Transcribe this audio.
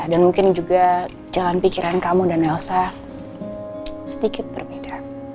dan mungkin juga jalan pikiran kamu dan elsa sedikit berbeda